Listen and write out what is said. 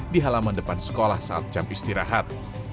di halaman depan sekolah saat jam istirahat